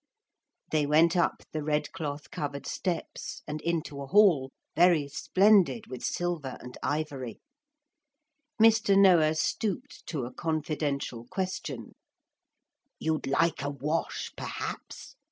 They went up the red cloth covered steps and into a hall, very splendid with silver and ivory. Mr. Noah stooped to a confidential question. 'You'd like a wash, perhaps?'